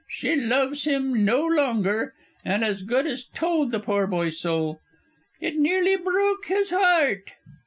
She loves him no longer, and as good as told the poor boy so. It nearly broke his heart."